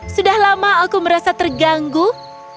sudah lama aku merasa terganggu karena kita memperlakukan makhluk mitos